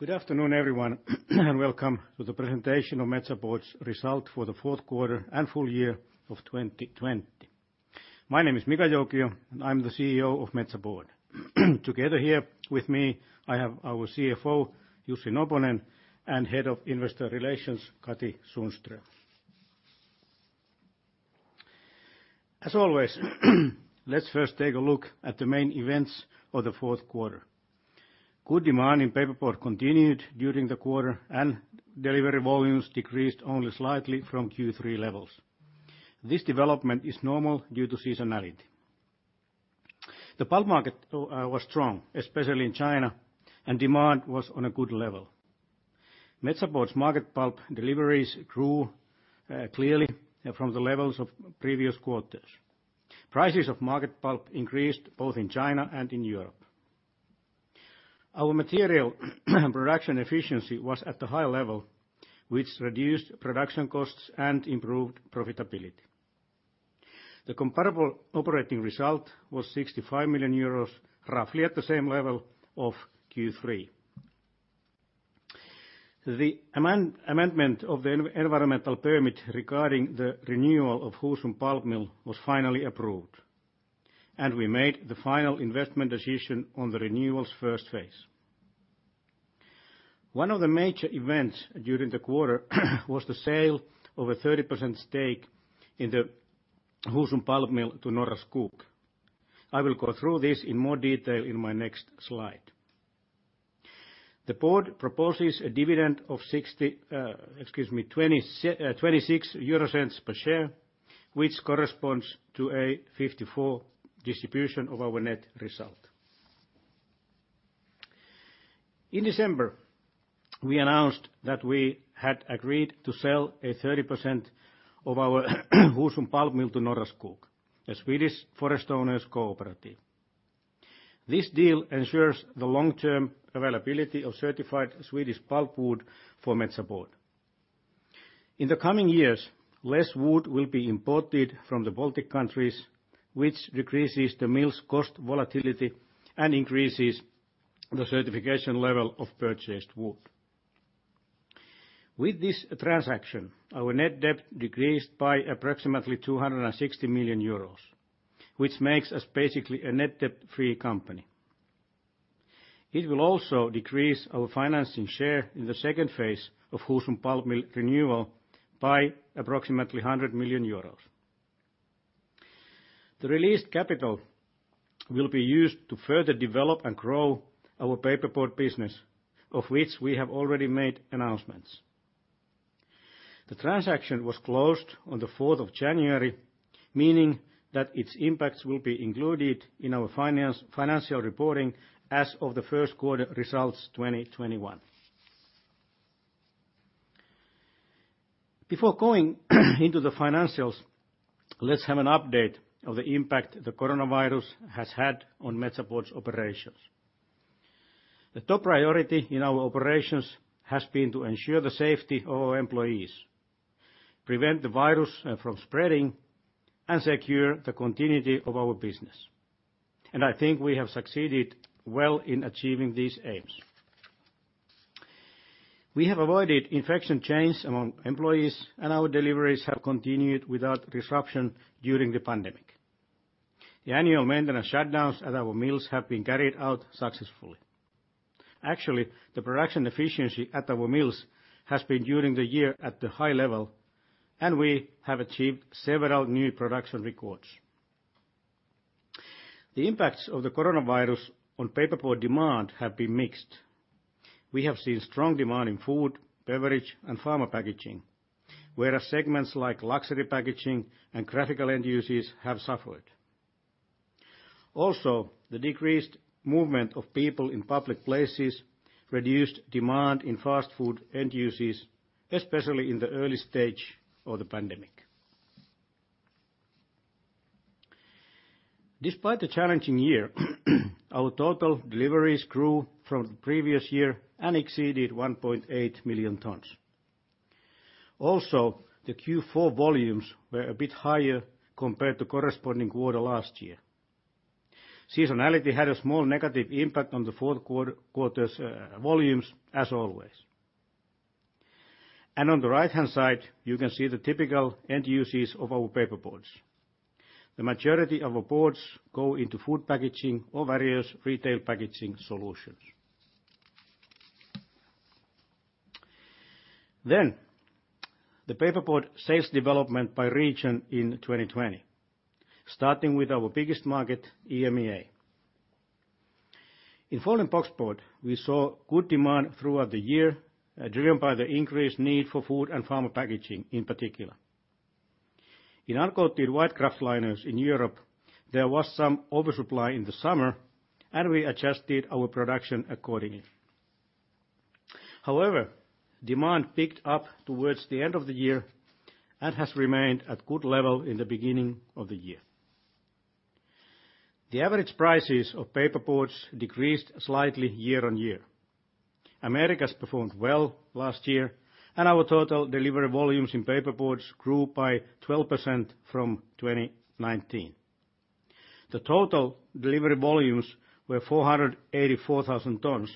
Good afternoon, everyone, and welcome to the presentation of Metsä Board's results for the fourth quarter and full year of 2020. My name is Mika Joukio, and I'm the CEO of Metsä Board. Together here with me, I have our CFO, Jussi Noponen, and Head of Investor Relations, Katri Sundström. As always, let's first take a look at the main events of the fourth quarter. Good demand in paperboard continued during the quarter, and delivery volumes decreased only slightly from Q3 levels. This development is normal due to seasonality. The pulp market was strong, especially in China, and demand was on a good level. Metsä Board's market pulp deliveries grew clearly from the levels of previous quarters. Prices of market pulp increased both in China and in Europe. Our material production efficiency was at a high level, which reduced production costs and improved profitability. The comparable operating result was 65 million euros, roughly at the same level of Q3. The amendment of the environmental permit regarding the renewal of Husum Pulp Mill was finally approved, and we made the final investment decision on the renewal's first phase. One of the major events during the quarter was the sale of a 30% stake in the Husum Pulp Mill to Norra Skog. I will go through this in more detail in my next slide. The board proposes a dividend of 0.26 per share, which corresponds to a 54% distribution of our net result. In December, we announced that we had agreed to sell a 30% of our Husum Pulp Mill to Norra Skog, a Swedish forest owners' cooperative. This deal ensures the long-term availability of certified Swedish pulp wood for Metsä Board. In the coming years, less wood will be imported from the Baltic countries, which decreases the mill's cost volatility and increases the certification level of purchased wood. With this transaction, our net debt decreased by approximately 260 million euros, which makes us basically a net debt-free company. It will also decrease our financing share in the second phase of Husum Pulp Mill renewal by approximately 100 million euros. The released capital will be used to further develop and grow our paperboard business, of which we have already made announcements. The transaction was closed on the 4th of January, meaning that its impacts will be included in our financial reporting as of the first quarter results 2021. Before going into the financials, let's have an update of the impact the coronavirus has had on Metsä Board's operations. The top priority in our operations has been to ensure the safety of our employees, prevent the virus from spreading, and secure the continuity of our business, and I think we have succeeded well in achieving these aims. We have avoided infection chains among employees, and our deliveries have continued without disruption during the pandemic. The annual maintenance shutdowns at our mills have been carried out successfully. Actually, the production efficiency at our mills has been during the year at the high level, and we have achieved several new production records. The impacts of the coronavirus on paperboard demand have been mixed. We have seen strong demand in food, beverage, and pharma packaging, whereas segments like luxury packaging and graphical end uses have suffered. Also, the decreased movement of people in public places reduced demand in fast food end uses, especially in the early stage of the pandemic. Despite the challenging year, our total deliveries grew from the previous year and exceeded 1.8 million tons. Also, the Q4 volumes were a bit higher compared to the corresponding quarter last year. Seasonality had a small negative impact on the fourth quarter's volumes, as always, and on the right-hand side, you can see the typical end uses of our paperboards. The majority of our boards go into food packaging or various retail packaging solutions, then the paperboard sales development by region in 2020, starting with our biggest market, EMEA. In Folding Boxboard, we saw good demand throughout the year, driven by the increased need for food and pharma packaging in particular. In uncoated white kraftliners in Europe, there was some oversupply in the summer, and we adjusted our production accordingly. However, demand picked up towards the end of the year and has remained at a good level in the beginning of the year. The average prices of paperboards decreased slightly year on year. Americas performed well last year, and our total delivery volumes in paperboards grew by 12% from 2019. The total delivery volumes were 484,000 tons,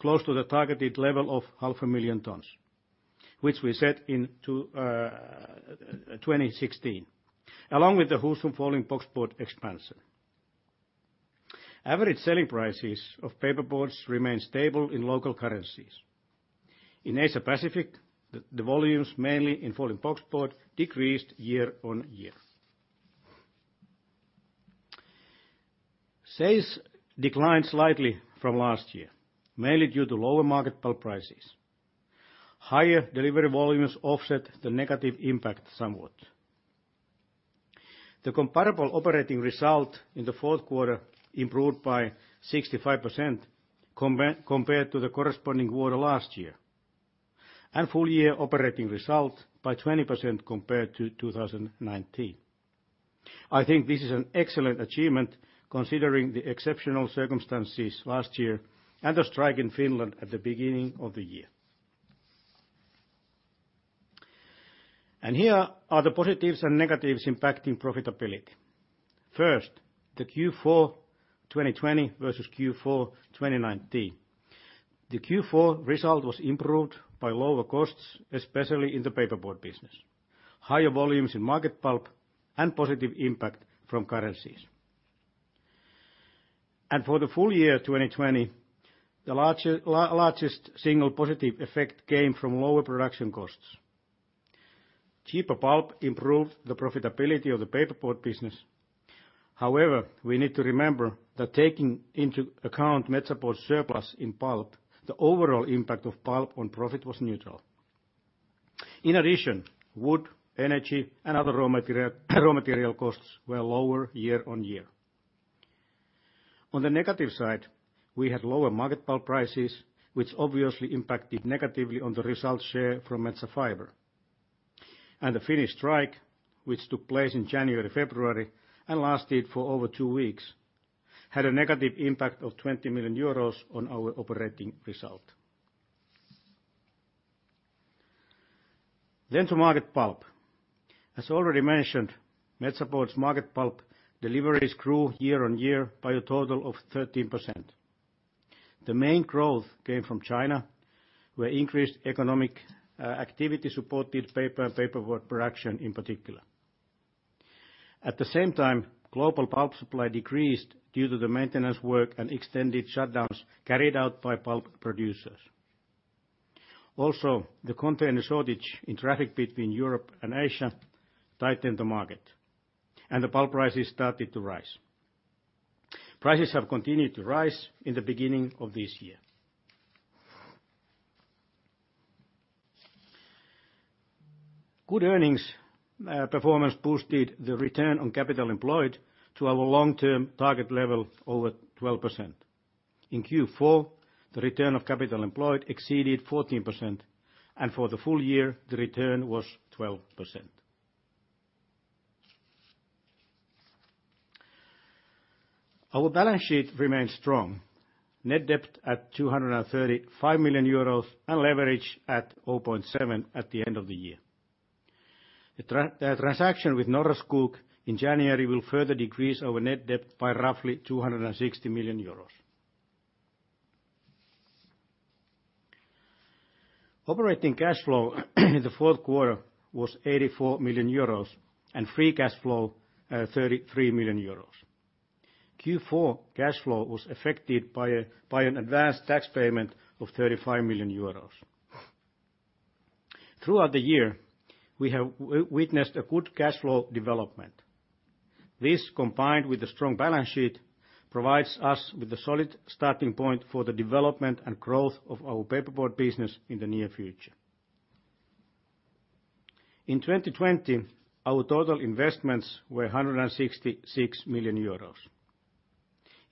close to the targeted level of 500,000 tons, which we set in 2016, along with the Husum Folding Boxboard expansion. Average selling prices of paperboards remain stable in local currencies. In Asia-Pacific, the volumes mainly in Folding Boxboard decreased year on year. Sales declined slightly from last year, mainly due to lower market pulp prices. Higher delivery volumes offset the negative impact somewhat. The comparable operating result in the fourth quarter improved by 65% compared to the corresponding quarter last year, and full year operating result by 20% compared to 2019. I think this is an excellent achievement considering the exceptional circumstances last year and the strike in Finland at the beginning of the year. And here are the positives and negatives impacting profitability. First, the Q4 2020 versus Q4 2019. The Q4 result was improved by lower costs, especially in the paperboard business, higher volumes in market pulp, and positive impact from currencies. And for the full year 2020, the largest single positive effect came from lower production costs. Cheaper pulp improved the profitability of the paperboard business. However, we need to remember that taking into account Metsä Board's surplus in pulp, the overall impact of pulp on profit was neutral. In addition, wood, energy, and other raw material costs were lower year on year. On the negative side, we had lower market pulp prices, which obviously impacted negatively on the result share from Metsä Fibre. And the Finnish strike, which took place in January-February and lasted for over two weeks, had a negative impact of 20 million euros on our operating result. Then to market pulp. As already mentioned, Metsä Board's market pulp deliveries grew year on year by a total of 13%. The main growth came from China, where increased economic activity supported paper and paperboard production in particular. At the same time, global pulp supply decreased due to the maintenance work and extended shutdowns carried out by pulp producers. Also, the container shortage in traffic between Europe and Asia tightened the market, and the pulp prices started to rise. Prices have continued to rise in the beginning of this year. Good earnings performance boosted the return on capital employed to our long-term target level over 12%. In Q4, the return on capital employed exceeded 14%, and for the full year, the return was 12%. Our balance sheet remained strong, net debt at 235 million euros and leverage at 0.7 at the end of the year. The transaction with Norra Skog in January will further decrease our net debt by roughly 260 million euros. Operating cash flow in the fourth quarter was 84 million euros and free cash flow 33 million euros. Q4 cash flow was affected by an advanced tax payment of 35 million euros. Throughout the year, we have witnessed a good cash flow development. This, combined with the strong balance sheet, provides us with a solid starting point for the development and growth of our paperboard business in the near future. In 2020, our total investments were 166 million euros.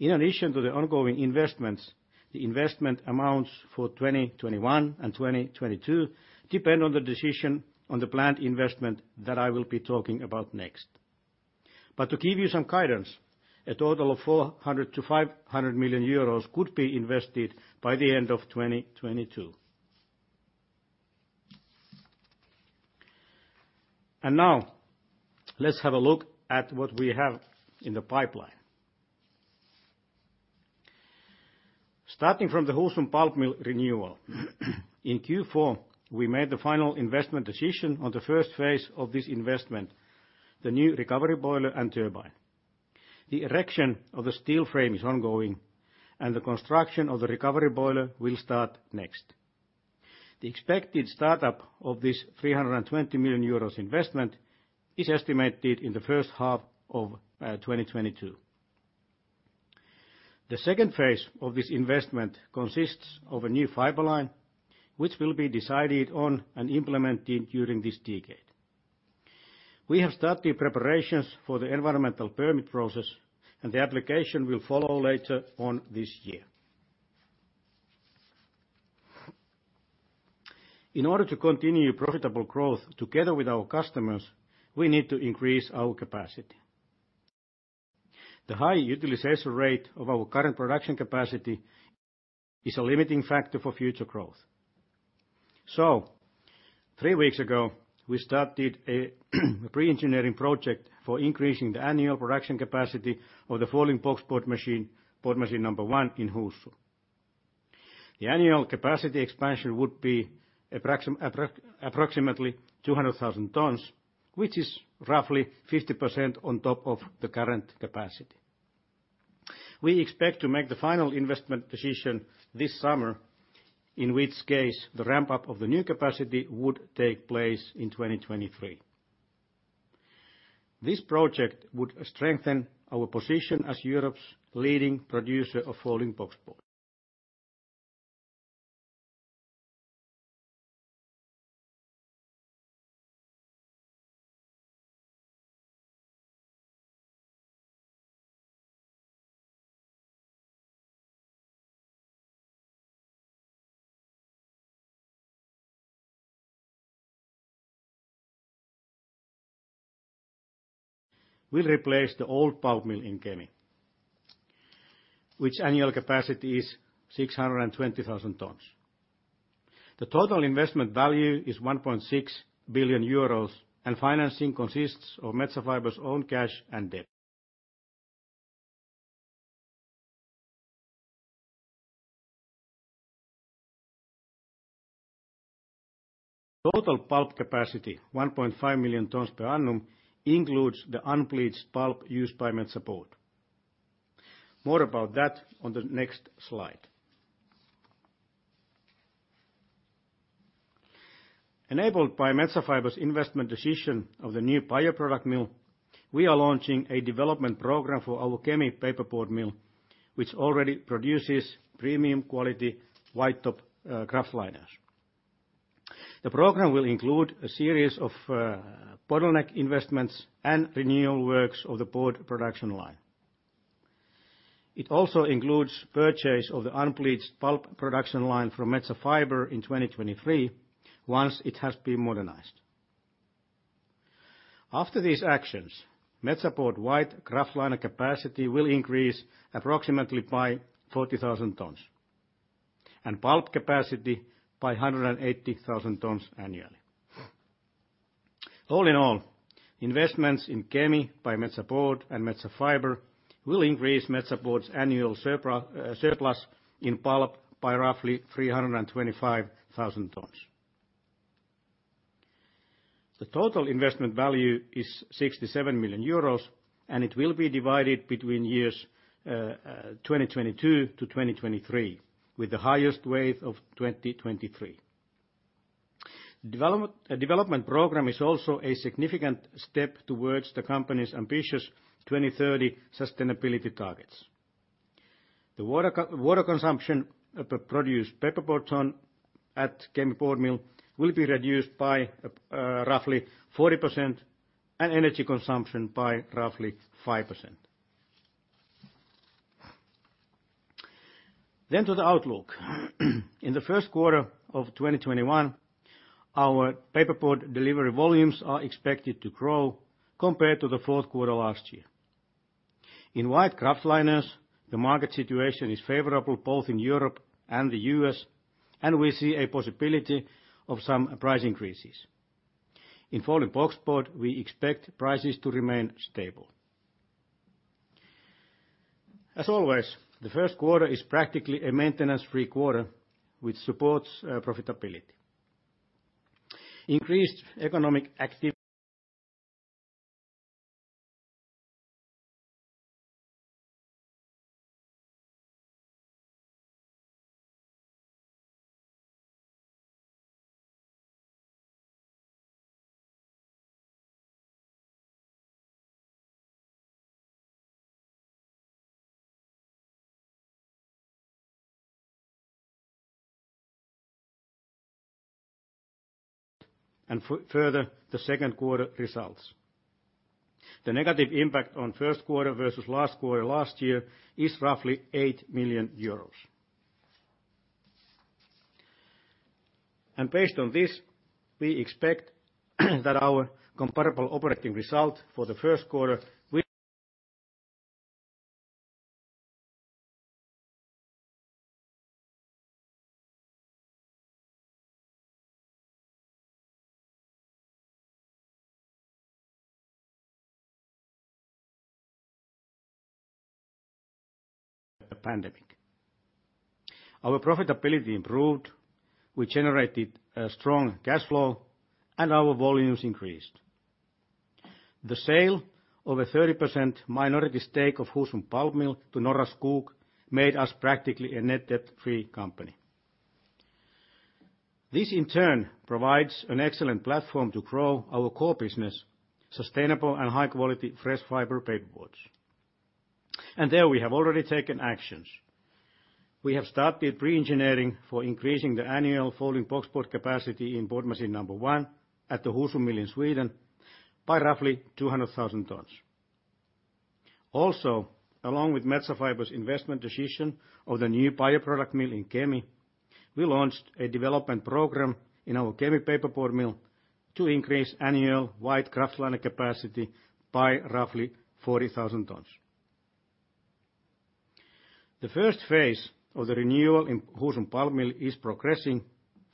In addition to the ongoing investments, the investment amounts for 2021 and 2022 depend on the decision on the planned investment that I will be talking about next. But to give you some guidance, a total of 400 million-500 million euros could be invested by the end of 2022. And now, let's have a look at what we have in the pipeline. Starting from the Husum Pulp Mill renewal, in Q4, we made the final investment decision on the first phase of this investment, the new recovery boiler and turbine. The erection of the steel frame is ongoing, and the construction of the recovery boiler will start next. The expected startup of this 320 million euros investment is estimated in the first half of 2022. The second phase of this investment consists of a new fiber line, which will be decided on and implemented during this decade. We have started preparations for the environmental permit process, and the application will follow later on this year. In order to continue profitable growth together with our customers, we need to increase our capacity. The high utilization rate of our current production capacity is a limiting factor for future growth. So, three weeks ago, we started a pre-engineering project for increasing the annual production capacity of the Folding Boxboard Machine, Board Machine number one in Husum. The annual capacity expansion would be approximately 200,000 tons, which is roughly 50% on top of the current capacity. We expect to make the final investment decision this summer, in which case the ramp-up of the new capacity would take place in 2023. This project would strengthen our position as Europe's leading producer of Folding Boxboard. We'll replace the old pulp mill in Kemi, which annual capacity is 620,000 tons. The total investment value is 1.6 billion euros, and financing consists of Metsä Fibre's own cash and debt. Total pulp capacity, 1.5 million tons per annum, includes the unbleached pulp used by Metsä Board. More about that on the next slide. Enabled by Metsä Fibre's investment decision of the new bioproduct mill, we are launching a development program for our Kemi Paperboard Mill, which already produces premium quality white top kraftliner. The program will include a series of bottleneck investments and renewal works of the board production line. It also includes purchase of the unbleached pulp production line from Metsä Fibre in 2023, once it has been modernized. After these actions, Metsä Board white kraftliner capacity will increase approximately by 40,000 tons and pulp capacity by 180,000 tons annually. All in all, investments in Kemi by Metsä Board and Metsä Fibre will increase Metsä Board's annual surplus in pulp by roughly 325,000 tons. The total investment value is 67 million euros, and it will be divided between years 2022 to 2023, with the highest wave of 2023. The development program is also a significant step towards the company's ambitious 2030 sustainability targets. The water consumption produced by paperboards at Kemi board mill will be reduced by roughly 40% and energy consumption by roughly 5%. Then to the outlook. In the first quarter of 2021, our paperboard delivery volumes are expected to grow compared to the fourth quarter last year. In white kraftliners, the market situation is favorable both in Europe and the U.S., and we see a possibility of some price increases. In folding boxboard, we expect prices to remain stable. As always, the first quarter is practically a maintenance-free quarter, which supports profitability. Increased economic activity and further the second quarter results. The negative impact on first quarter versus last quarter last year is roughly 8 million euros. Based on this, we expect that our comparable operating result for the first quarter will. The pandemic. Our profitability improved, we generated a strong cash flow, and our volumes increased. The sale of a 30% minority stake of Husum Pulp Mill to Norra Skog made us practically a net debt-free company. This, in turn, provides an excellent platform to grow our core business, sustainable and high-quality fresh fiber paperboards. There we have already taken actions. We have started pre-engineering for increasing the annual Folding Boxboard capacity in board machine number one at the Husum Mill in Sweden by roughly 200,000 tons. Also, along with Metsä Fibre's investment decision of the new bioproduct mill in Kemi, we launched a development program in our Kemi paperboard mill to increase annual white kraftliner capacity by roughly 40,000 tons. The first phase of the renewal in Husum Pulp Mill is progressing,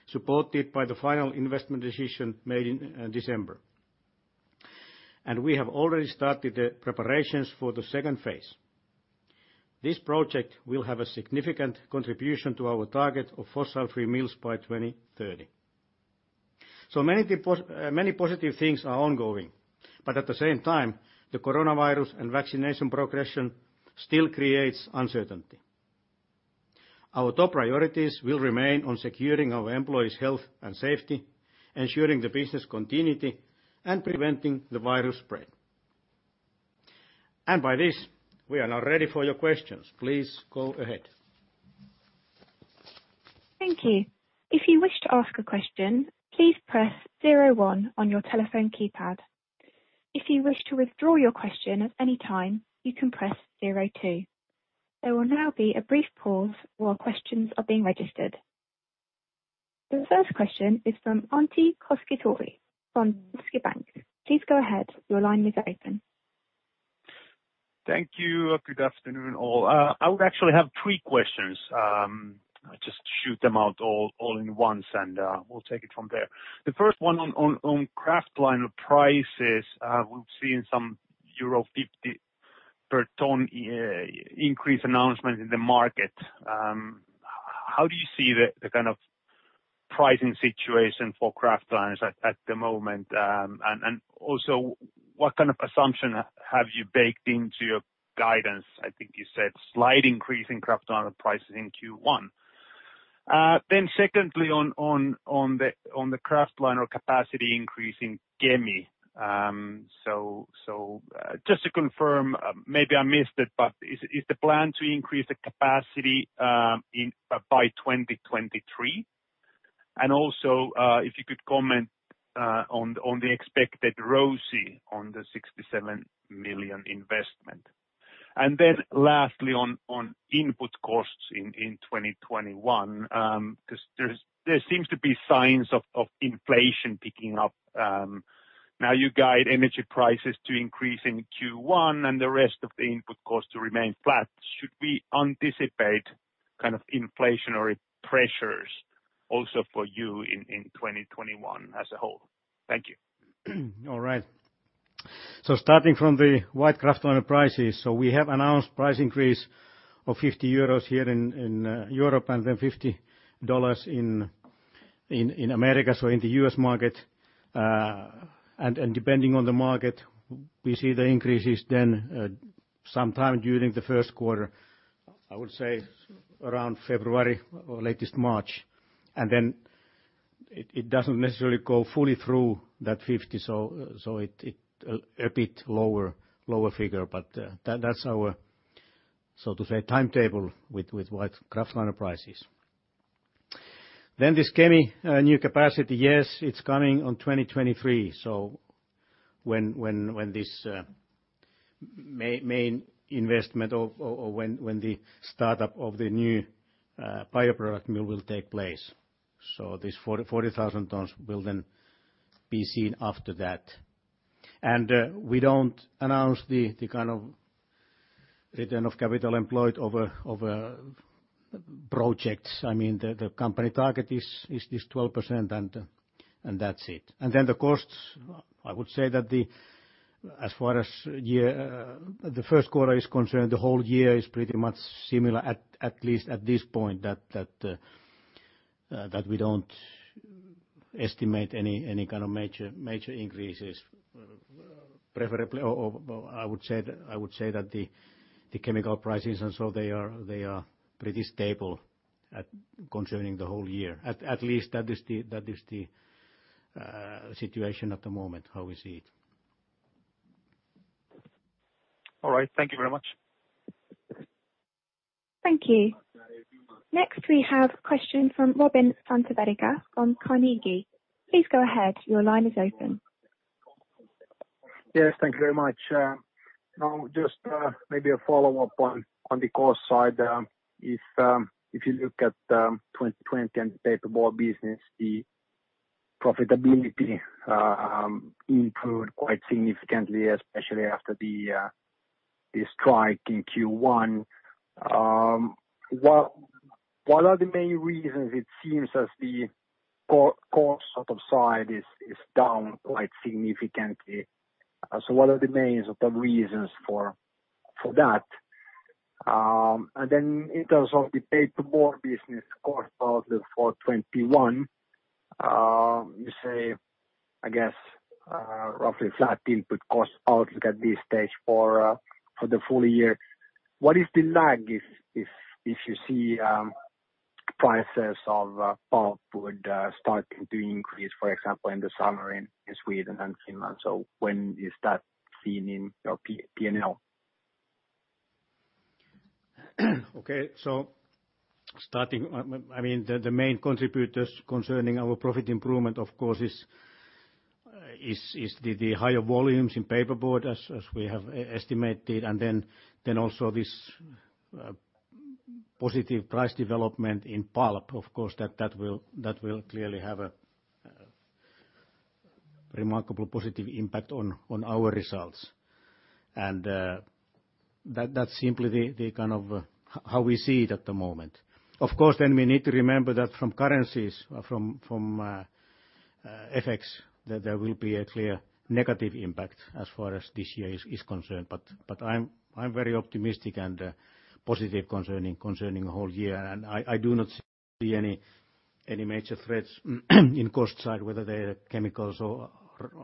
supported by the final investment decision made in December. We have already started the preparations for the second phase. This project will have a significant contribution to our target of fossil-free mills by 2030. So many positive things are ongoing, but at the same time, the coronavirus and vaccination progression still creates uncertainty. Our top priorities will remain on securing our employees' health and safety, ensuring the business continuity, and preventing the virus spread. And by this, we are now ready for your questions. Please go ahead. Thank you. If you wish to ask a question, please press zero one on your telephone keypad. If you wish to withdraw your question at any time, you can press zero two. There will now be a brief pause while questions are being registered. The first question is from Antti Koskivuori, Danske Bank. Please go ahead. Your line is open. Thank you. Good afternoon, all. I would actually have three questions. I'll just shoot them out all at once, and we'll take it from there. The first one on kraftliner prices. We've seen some euro 50 per ton increase announcement in the market. How do you see the kind of pricing situation for kraftliners at the moment? And also, what kind of assumption have you baked into your guidance? I think you said slight increase in kraftliner prices in Q1. Then secondly, on the kraftliner capacity increase in Kemi. So just to confirm, maybe I missed it, but is the plan to increase the capacity by 2023? And also, if you could comment on the expected ROSI on the 67 million investment. And then lastly, on input costs in 2021, because there seems to be signs of inflation picking up. Now you guide energy prices to increase in Q1 and the rest of the input costs to remain flat. Should we anticipate kind of inflationary pressures also for you in 2021 as a whole? Thank you. All right. Starting from the white kraftliner prices, we have announced price increase of 50 euros here in Europe and then $50 in America, so in the U.S. market. Depending on the market, we see the increases then sometime during the first quarter. I would say around February or latest March. It doesn't necessarily go fully through that 50, so it's a bit lower figure, but that's our, so to say, timetable with white kraftliner prices. This Kemi new capacity, yes, it's coming on 2023, so when this main investment or when the startup of the new bioproduct mill will take place. This 40,000 tons will then be seen after that. We don't announce the kind of return on capital employed over projects. I mean, the company target is this 12%, and that's it. And then the costs, I would say that as far as the first quarter is concerned, the whole year is pretty much similar, at least at this point, that we don't estimate any kind of major increases. Preferably, I would say that the chemical prices and so they are pretty stable concerning the whole year. At least that is the situation at the moment, how we see it. All right. Thank you very much. Thank you. Next, we have a question from Robin Santavirta from Carnegie. Please go ahead. Your line is open. Yes, thank you very much. Just maybe a follow-up on the cost side. If you look at 2020 and the paperboard business, the profitability improved quite significantly, especially after the strike in Q1. What are the main reasons it seems as the cost sort of side is down quite significantly? So what are the main sort of reasons for that? And then in terms of the paperboard business cost outlook for 2021, you say, I guess, roughly flat input cost outlook at this stage for the full year. What is the lag if you see prices of pulp wood starting to increase, for example, in the summer in Sweden and Finland? So when is that seen in your P&L? Okay. So starting, I mean, the main contributors concerning our profit improvement, of course, is the higher volumes in paperboard, as we have estimated. And then also this positive price development in pulp, of course, that will clearly have a remarkable positive impact on our results. And that's simply the kind of how we see it at the moment. Of course, then we need to remember that from currencies, from FX, there will be a clear negative impact as far as this year is concerned. But I'm very optimistic and positive concerning the whole year. And I do not see any major threats in cost side, whether they are chemicals or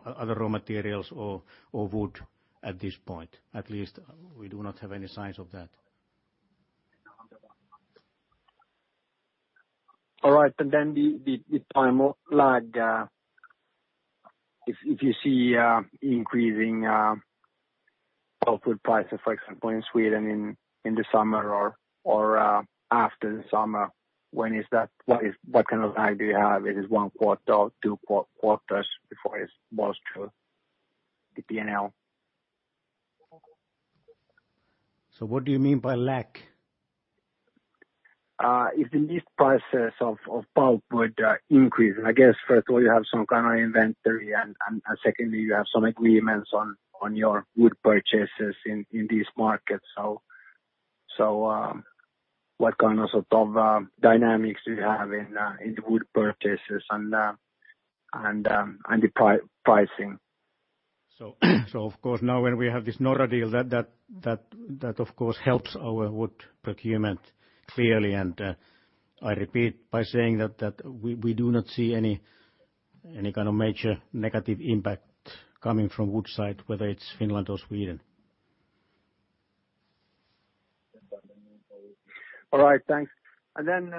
other raw materials or wood at this point. At least we do not have any signs of that. All right. And then the time lag, if you see increasing pulp wood prices, for example, in Sweden in the summer or after the summer, what kind of lag do you have? Is it one quarter, two quarters before it's bolstered the P&L? So what do you mean by lag? If the lease prices of pulp wood increase, I guess, first of all, you have some kind of inventory, and secondly, you have some agreements on your wood purchases in these markets. So what kind of sort of dynamics do you have in the wood purchases and the pricing? So of course, now when we have this Norra deal, that, of course, helps our wood procurement clearly. And I repeat by saying that we do not see any kind of major negative impact coming from wood side, whether it's Finland or Sweden. All right. Thanks. And then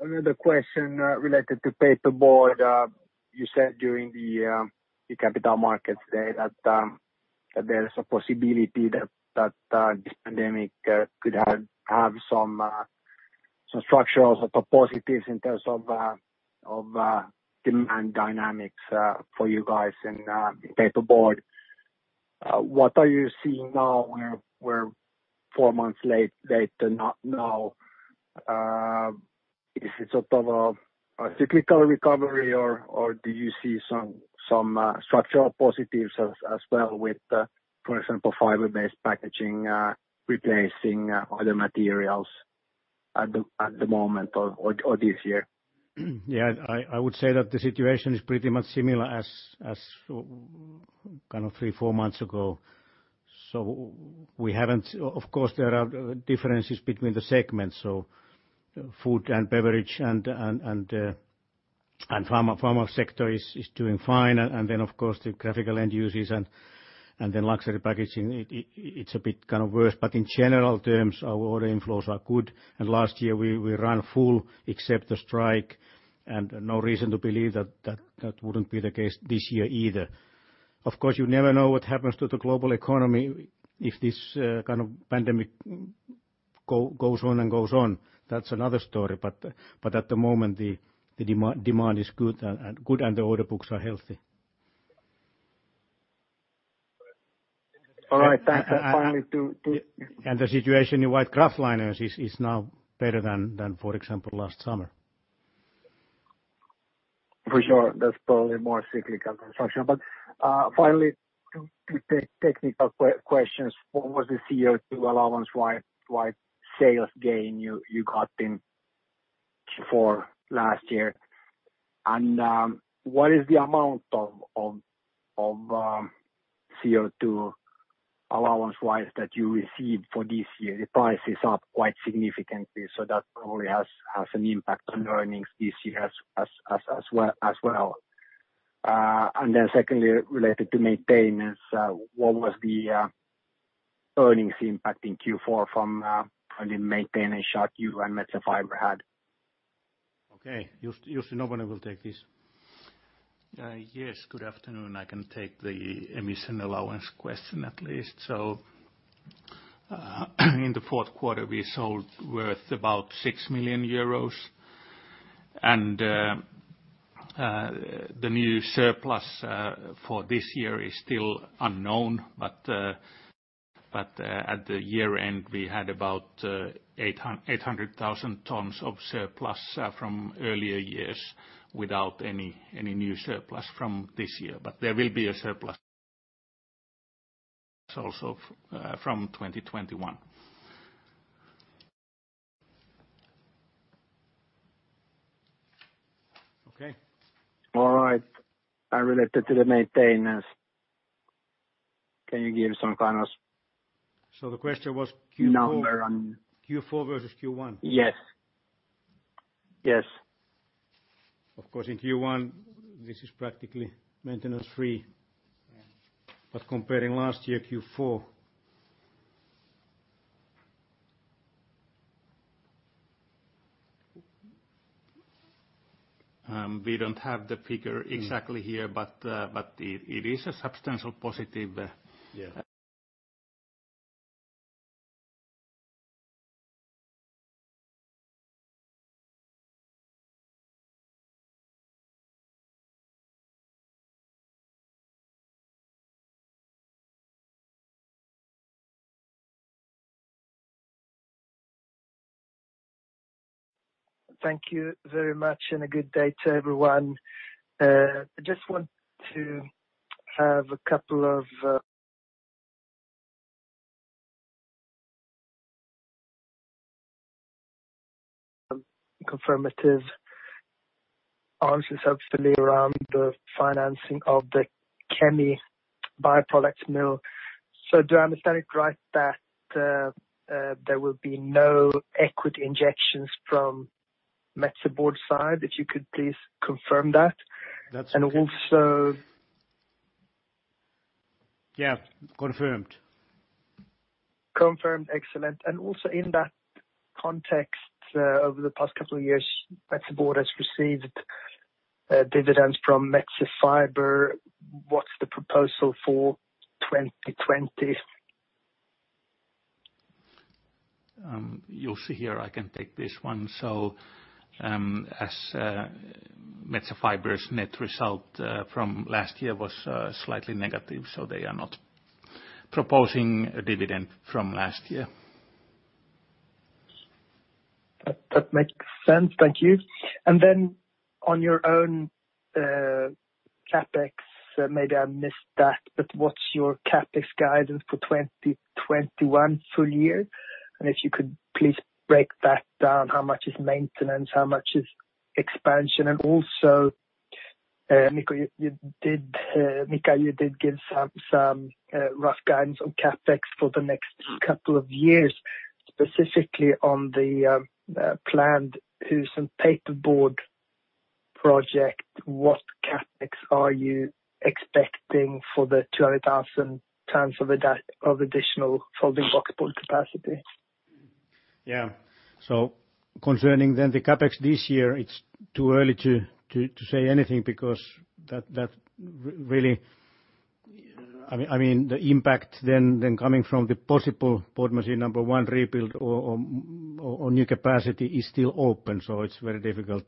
another question related to paperboard. You said during the Capital Markets Day that there's a possibility that this pandemic could have some structural sort of positives in terms of demand dynamics for you guys in paperboard. What are you seeing now? We're four months in now. Is it sort of a cyclical recovery, or do you see some structural positives as well with, for example, fiber-based packaging replacing other materials at the moment or this year? Yeah, I would say that the situation is pretty much similar as kind of three, four months ago, so we haven't, of course, there are differences between the segments, so food and beverage and pharma sector is doing fine, and then, of course, the graphical end uses and then luxury packaging, it's a bit kind of worse, but in general terms, our order inflows are good, and last year, we ran full except the strike, and no reason to believe that that wouldn't be the case this year either. Of course, you never know what happens to the global economy if this kind of pandemic goes on and goes on. That's another story. But at the moment, the demand is good, and the order books are healthy. All right. Thanks. And the situation in white kraftliners is now better than, for example, last summer. For sure. That's probably more cyclical construction. But finally, two technical questions. What was the CO2 allowance-wise sales gain you got in Q4 last year? And what is the amount of CO2 allowance-wise that you received for this year? The price is up quite significantly, so that probably has an impact on earnings this year as well. And then secondly, related to maintenance, what was the earnings impact in Q4 from the maintenance shutdown you and Metsä Fibre had? Okay. Jussi Noponen, we'll take this. Yes. Good afternoon. I can take the emission allowance question at least. So in the fourth quarter, we sold worth about 6 million euros. And the new surplus for this year is still unknown, but at the year end, we had about 800,000 tons of surplus from earlier years without any new surplus from this year. But there will be a surplus also from 2021. Okay. All right. And related to the maintenance, can you give some kind of. So the question was Q4. No. On. Q4 versus Q1? Yes. Yes. Of course, in Q1, this is practically maintenance-free. But comparing last year Q4, we don't have the figure exactly here, but it is a substantial positive. Thank you very much and a good day to everyone. I just want to have a couple of confirmative answers, hopefully, around the financing of the Kemi bioproduct mill. So do I understand it right that there will be no equity injections from Metsä Board side? If you could please confirm that. That's correct. And also. Yeah. Confirmed. Confirmed. Excellent. And also in that context, over the past couple of years, Metsä Board has received dividends from Metsä Fibre. What's the proposal for 2020? You'll see here. I can take this one. So Metsä Fibre's net result from last year was slightly negative, so they are not proposing a dividend from last year. That makes sense. Thank you. And then on your own CapEx, maybe I missed that, but what's your CapEx guidance for 2021 full year? And if you could please break that down, how much is maintenance, how much is expansion? And also, Mika, you did give some rough guidance on CapEx for the next couple of years, specifically on the planned Husum paperboard project. What CapEx are you expecting for the 200,000 tons of additional folding boxboard capacity? Yeah. Concerning then the CapEx this year, it's too early to say anything because that really, I mean, the impact then coming from the possible board machine number one rebuild or new capacity is still open. It's very difficult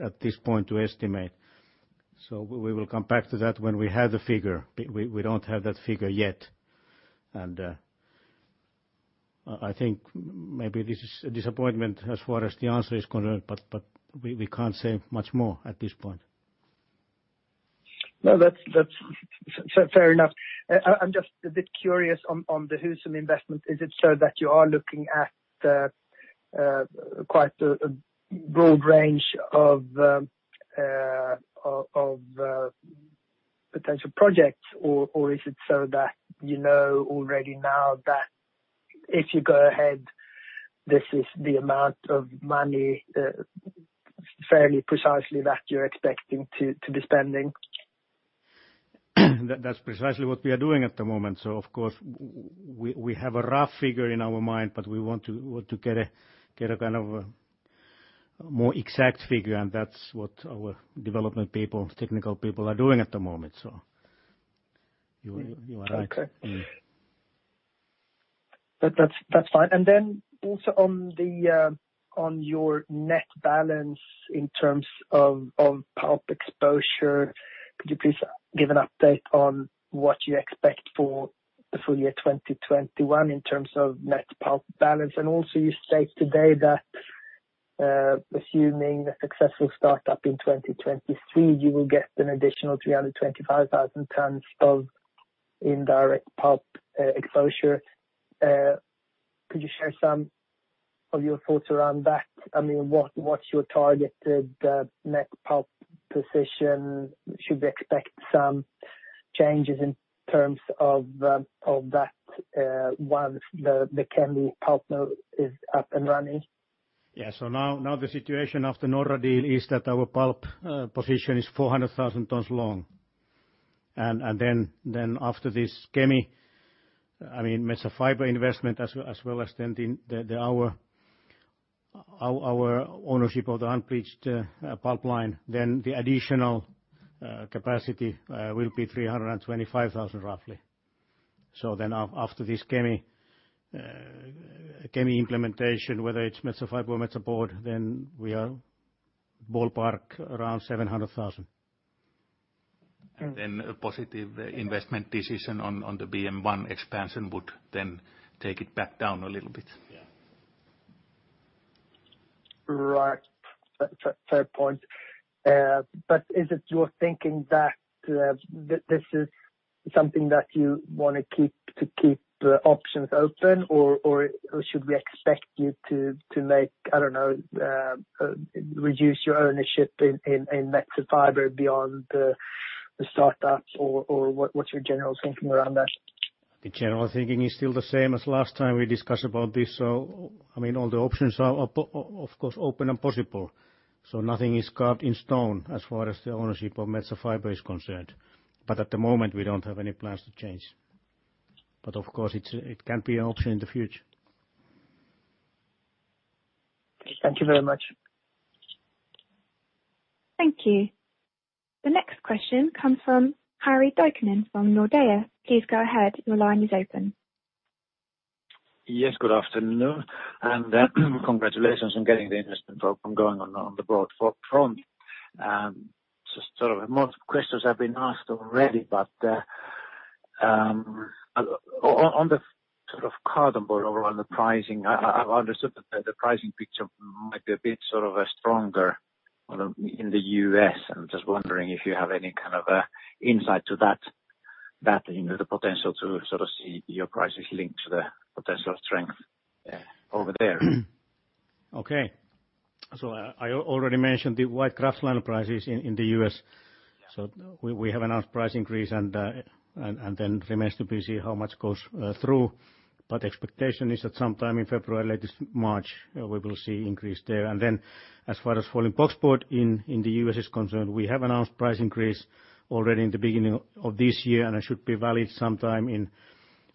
at this point to estimate. We will come back to that when we have the figure. We don't have that figure yet. I think maybe this is a disappointment as far as the answer is concerned, but we can't say much more at this point. No, that's fair enough. I'm just a bit curious on the Husum investment. Is it so that you are looking at quite a broad range of potential projects, or is it so that you know already now that if you go ahead, this is the amount of money fairly precisely that you're expecting to be spending? That's precisely what we are doing at the moment. So of course, we have a rough figure in our mind, but we want to get a kind of more exact figure, and that's what our development people, technical people, are doing at the moment. So you are right. Okay. That's fine. And then also on your net balance in terms of pulp exposure, could you please give an update on what you expect for the full year 2021 in terms of net pulp balance? And also you stated today that assuming a successful startup in 2023, you will get an additional 325,000 tons of indirect pulp exposure. Could you share some of your thoughts around that? I mean, what's your targeted net pulp position? Should we expect some changes in terms of that once the Kemi pulp mill is up and running? Yeah. So now the situation after Norra deal is that our pulp position is 400,000 tons long. And then after this Kemi, I mean, Metsä Fibre investment as well as then our ownership of the unbleached pulp line, then the additional capacity will be 325,000 roughly. So then after this Kemi implementation, whether it's Metsä Fibre or Metsä Board, then we are ballpark around 700,000. And then a positive investment decision on the BM1 expansion would then take it back down a little bit. Yeah. Right. Fair point. But is it your thinking that this is something that you want to keep options open, or should we expect you to make, I don't know, reduce your ownership in Metsä Fibre beyond the startup, or what's your general thinking around that? The general thinking is still the same as last time we discussed about this. So I mean, all the options are, of course, open and possible. So nothing is carved in stone as far as the ownership of Metsä Fibre is concerned. But at the moment, we don't have any plans to change. But of course, it can be an option in the future. Thank you very much. Thank you. The next question comes from Harri Taittonen from Nordea. Please go ahead. Your line is open. Yes. Good afternoon. And congratulations on getting the investment program going on the board front. Just sort of more questions have been asked already, but on the sort of cardboard or on the pricing, I've understood that the pricing picture might be a bit sort of stronger in the U.S. I'm just wondering if you have any kind of insight to that, the potential to sort of see your prices linked to the potential strength over there. Okay. I already mentioned the white kraftliner prices in the U.S. We have announced price increase, and then it remains to be seen how much goes through. Expectation is that sometime in February, latest March, we will see increase there. As far as folding boxboard in the U.S. is concerned, we have announced price increase already in the beginning of this year, and it should be valid sometime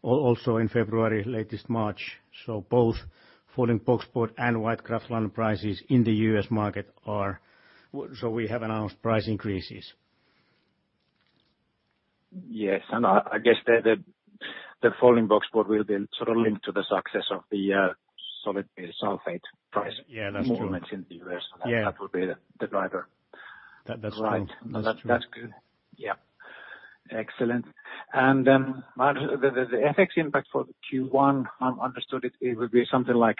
also in February, latest March. Both folding boxboard and white kraftliner prices in the U.S. market are. We have announced price increases. Yes. I guess the folding boxboard will be sort of linked to the success of the solid sulfate price movements in the U.S. That will be the driver. That's right. That's good. Yeah. Excellent. And the FX impact for Q1, I understand it would be something like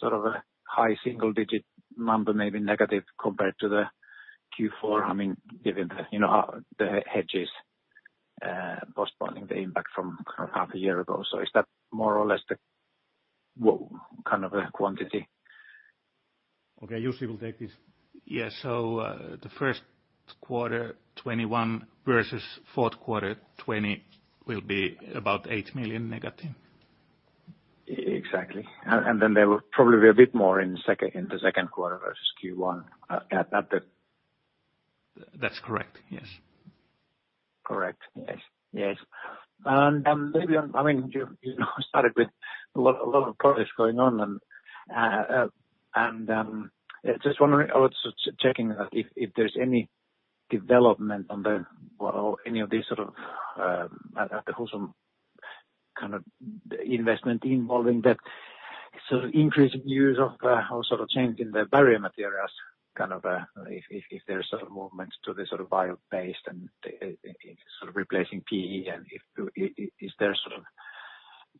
sort of a high single-digit number, maybe negative compared to the Q4, I mean, given the hedges postponing the impact from half a year ago. So is that more or less the kind of quantity? Okay. Jussi will take this. Yeah. So the first quarter, 2021, versus fourth quarter, 2020, will be about 8 million negative. Exactly. And then there will probably be a bit more in the scond quarter versus Q1 at the. That's correct. Yes. Correct. Yes. Yes. And maybe, I mean, you started with a lot of projects going on. was just wondering. I was checking if there's any development on any of these sort of at the Husum kind of investment involving that sort of increasing use of sort of changing the barrier materials, kind of if there's sort of movements to the sort of bio-based and sort of replacing PE. And is there sort of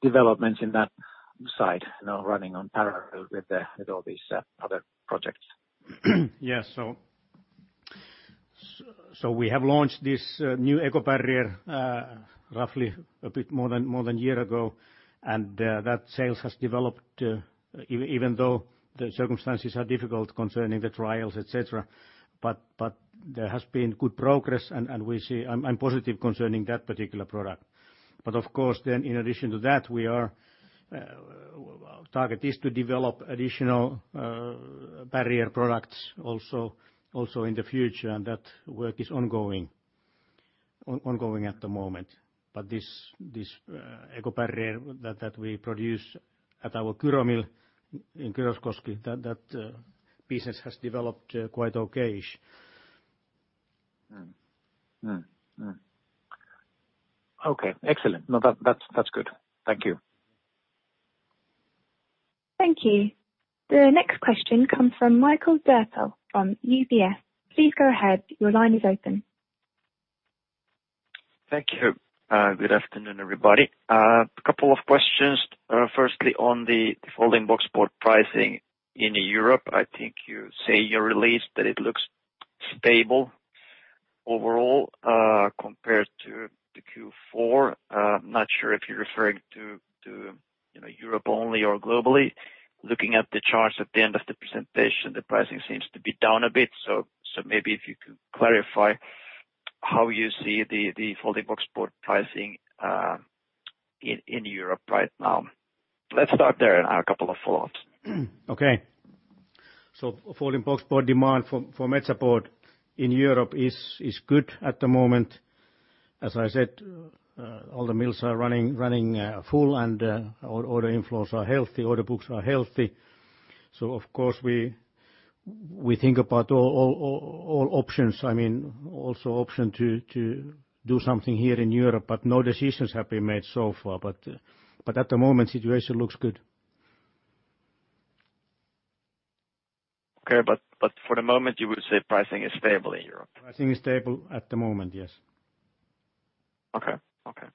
developments in that side running on parallel with all these other projects? Yes. We have launched this new Eco-Barrier roughly a bit more than a year ago, and that sales has developed even though the circumstances are difficult concerning the trials, etc. But there has been good progress, and I'm positive concerning that particular product. But of course, then in addition to that, our target is to develop additional barrier products also in the future, and that work is ongoing at the moment. But this Eco-Barrier that we produce at our Kyrö Mill in Kyröskoski, that business has developed quite okay. Okay. Excellent. No, that's good. Thank you. Thank you. The next question comes from Mikael Doepel from UBS. Please go ahead. Your line is open. Thank you. Good afternoon, everybody. A couple of questions. Firstly, on the folding boxboard pricing in Europe, I think you say your release that it looks stable overall compared to Q4. I'm not sure if you're referring to Europe only or globally. Looking at the charts at the end of the presentation, the pricing seems to be down a bit. So maybe if you could clarify how you see the folding boxboard pricing in Europe right now. Let's start there and have a couple of follow-ups. Okay. So folding boxboard demand for Metsä Board in Europe is good at the moment. As I said, all the mills are running full, and order inflows are healthy, order books are healthy. So of course, we think about all options. I mean, also option to do something here in Europe, but no decisions have been made so far. But at the moment, situation looks good. Okay. But for the moment, you would say pricing is stable in Europe? Pricing is stable at the moment. Yes. Okay. Okay.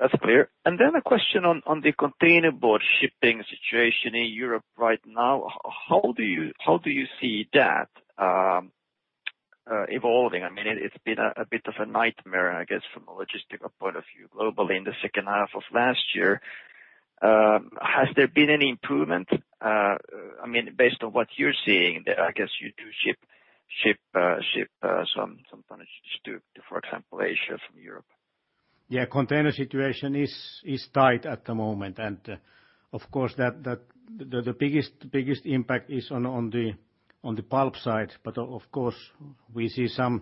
That's clear. And then a question on the container board shipping situation in Europe right now. How do you see that evolving? I mean, it's been a bit of a nightmare, I guess, from a logistical point of view globally in the second half of last year. Has there been any improvement? I mean, based on what you're seeing, I guess you do ship some tonnage to, for example, Asia from Europe. Yeah. Container situation is tight at the moment. Of course, the biggest impact is on the pulp side. But of course, we see some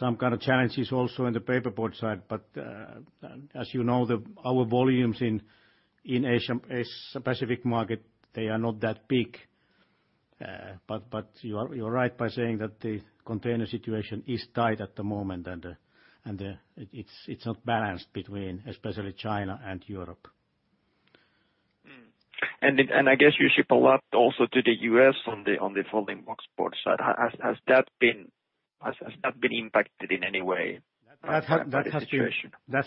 kind of challenges also in the paperboard side. But as you know, our volumes in Asia-Pacific market, they are not that big. But you're right by saying that the container situation is tight at the moment, and it's not balanced between, especially, China and Europe. And I guess you ship a lot also to the U.S. on the folding boxboard side. Has that been impacted in any way? That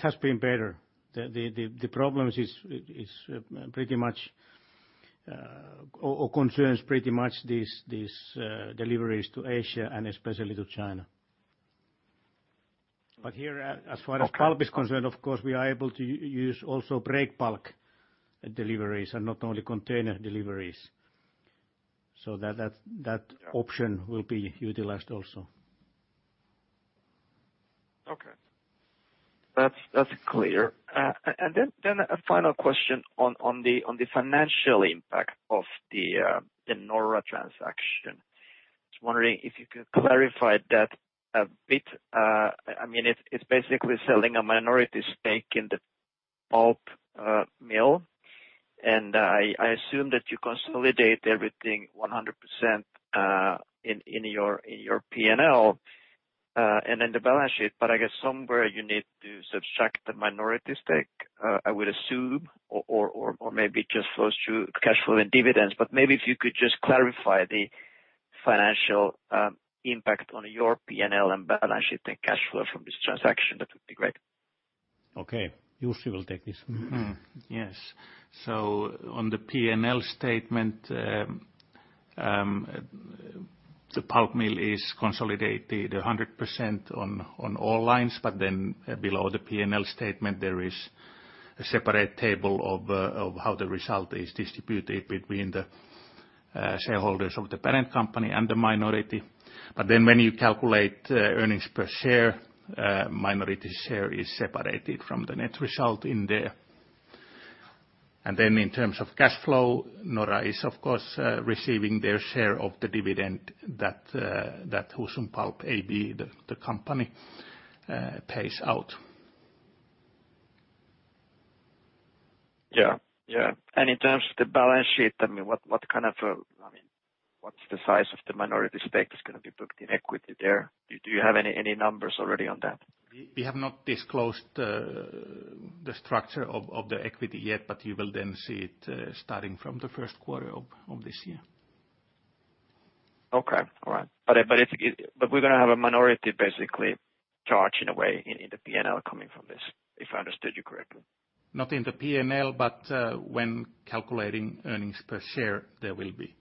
has been better. The problem is pretty much, or concerns pretty much, these deliveries to Asia and especially to China. But here, as far as pulp is concerned, of course, we are able to use also bulk pulp deliveries and not only container deliveries. So that option will be utilized also. Okay. That's clear. And then a final question on the financial impact of the Norra transaction. Just wondering if you could clarify that a bit. I mean, it's basically selling a minority stake in the pulp mill. And I assume that you consolidate everything 100% in your P&L and in the balance sheet. But I guess somewhere you need to subtract the minority stake, I would assume, or maybe just flows through cash flow and dividends. But maybe if you could just clarify the financial impact on your P&L and balance sheet and cash flow from this transaction, that would be great. Okay. Jussi will take this. Yes. So on the P&L statement, the pulp mill is consolidated 100% on all lines. But then below the P&L statement, there is a separate table of how the result is distributed between the shareholders of the parent company and the minority. But then when you calculate earnings per share, minority share is separated from the net result in there. And then in terms of cash flow, Norra Skog is, of course, receiving their share of the dividend that Husum Pulp AB, the company, pays out. Yeah. Yeah. And in terms of the balance sheet, I mean, what kind of, I mean, what's the size of the minority stake that's going to be booked in equity there? Do you have any numbers already on that? We have not disclosed the structure of the equity yet, but you will then see it starting from the first quarter of this year. Okay. All right. But we're going to have a minority basically charge in a way in the P&L coming from this, if I understood you correctly. Not in the P&L, but when calculating earnings per share, there will be.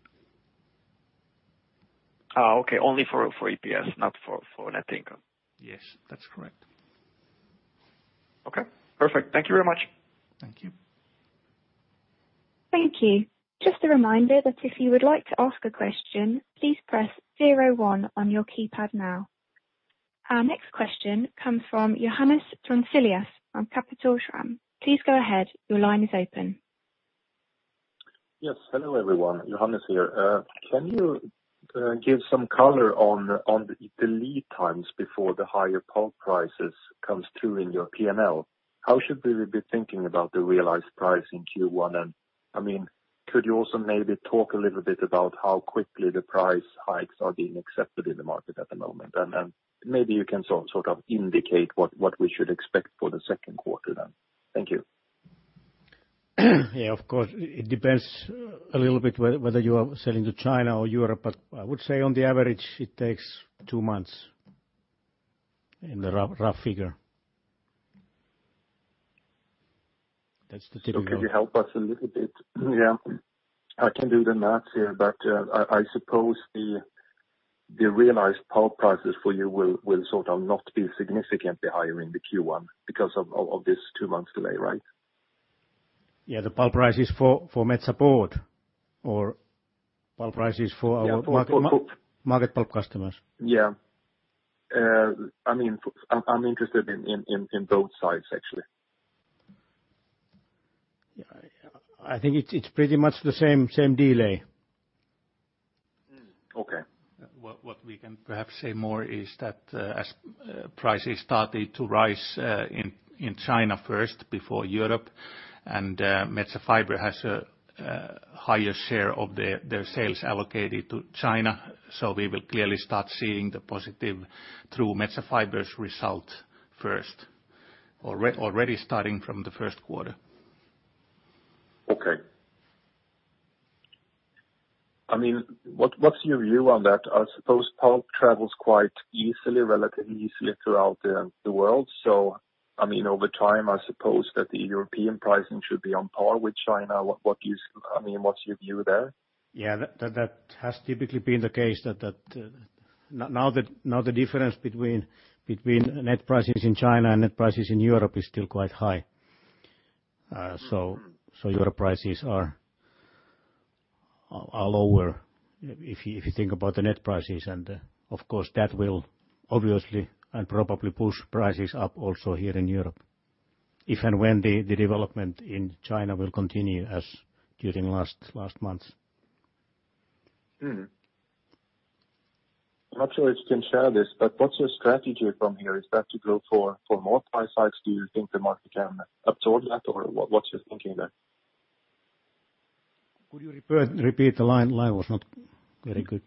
Okay. Only for EPS, not for net income. Yes. That's correct. Okay. Perfect. Thank you very much. Thank you. Thank you. Just a reminder that if you would like to ask a question, please press zero one on your keypad now. Our next question comes from Johannes Grunselius from Kepler Cheuvreux. Please go ahead. Your line is open. Yes. Hello, everyone. Johannes here. Can you give some color on the lead times before the higher pulp prices come through in your P&L? How should we be thinking about the realized price in Q1? And I mean, could you also maybe talk a little bit about how quickly the price hikes are being accepted in the market at the moment? And maybe you can sort of indicate what we should expect for the second quarter then. Thank you. Yeah. Of course. It depends a little bit whether you are selling to China or Europe, but I would say on the average, it takes two months in the rough figure. That's the typical. So can you help us a little bit? Yeah. I can do the math here, but I suppose the realized pulp prices for you will sort of not be significantly higher in the Q1 because of this two-month delay, right? Yeah. The pulp prices for Metsä Board or pulp prices for our market pulp customers? Yeah. I mean, I'm interested in both sides, actually. Yeah. I think it's pretty much the same delay. Okay. What we can perhaps say more is that as prices started to rise in China first before Europe, and Metsä Fibre has a higher share of their sales allocated to China, so we will clearly start seeing the positive through Metsä Fibre's result first, already starting from the first quarter. Okay. I mean, what's your view on that? I suppose pulp travels quite easily, relatively easily throughout the world. So I mean, over time, I suppose that the European pricing should be on par with China. I mean, what's your view there? Yeah. That has typically been the case that now the difference between net prices in China and net prices in Europe is still quite high. So your prices are lower if you think about the net prices. And of course, that will obviously and probably push prices up also here in Europe if and when the development in China will continue as during last months. I'm not sure if you can share this, but what's your strategy from here? Is that to go for more price hikes? Do you think the market can absorb that, or what's your thinking there? Could you repeat the line? The line was not very good.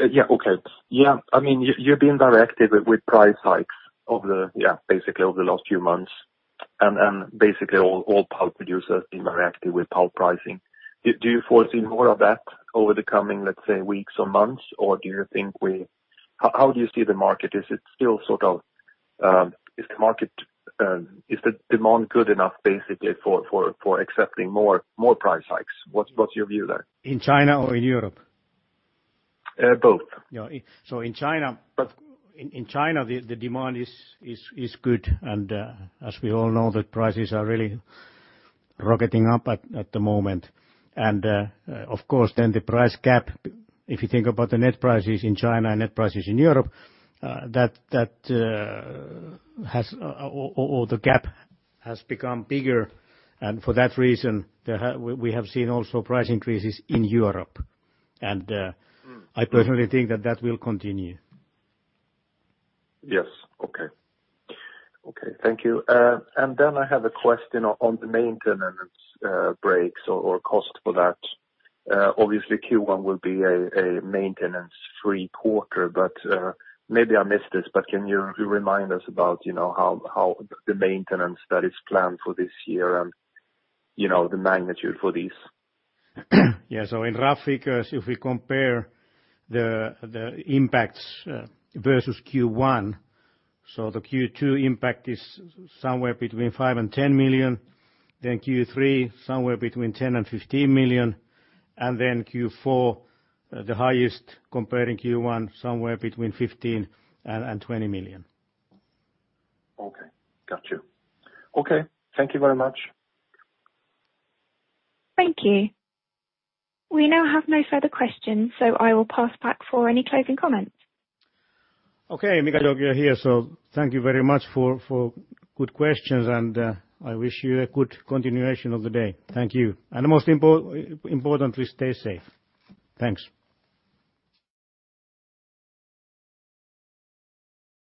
Yeah. Okay. Yeah. I mean, you've been very active with price hikes of the, yeah, basically over the last few months. And basically, all pulp producers have been very active with pulp pricing. Do you foresee more of that over the coming, let's say, weeks or months, or do you think we how do you see the market? Is it still sort of the market? Is the demand good enough basically for accepting more price hikes? What's your view there? In China or in Europe? Both. So in China, the demand is good. And as we all know, the prices are really rocketing up at the moment. And of course, then the price gap, if you think about the net prices in China and net prices in Europe, the gap has become bigger. And for that reason, we have seen also price increases in Europe. And I personally think that will continue. Yes. Okay. Okay. Thank you. And then I have a question on the maintenance breaks or cost for that. Obviously, Q1 will be a maintenance-free quarter, but maybe I missed this, but can you remind us about how the maintenance that is planned for this year and the magnitude for these? Yeah, so in rough figures, if we compare the impacts versus Q1, so the Q2 impact is somewhere between 5 million and 10 million, then Q3 somewhere between 10 million and 15 million, and then Q4, the highest comparing Q1, somewhere between 15 million and 20 million. Okay. Got you. Okay. Thank you very much. Thank you. We now have no further questions, so I will pass back for any closing comments. Okay. Mika, you're here, so thank you very much for good questions, and I wish you a good continuation of the day. Thank you. And most importantly, stay safe. Thanks.